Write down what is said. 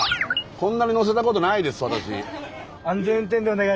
こんなに乗せたことないです私。